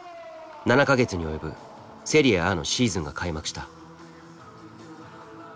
７か月に及ぶセリエＡのシーズンが開幕した。